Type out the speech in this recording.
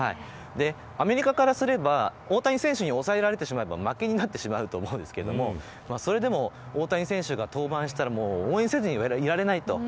アメリカからすれば大谷選手に抑えられてしまうと負けになってしまうと思うんですがそれでも大谷選手が登板したら応援せずにはいられないと。